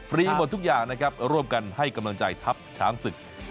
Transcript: หมดทุกอย่างนะครับร่วมกันให้กำลังใจทัพช้างศึก